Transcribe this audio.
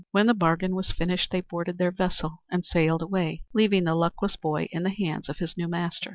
When the bargain was finished they boarded their vessel and sailed away, leaving the luckless boy in the hands of his new master.